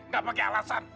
gak pake alasan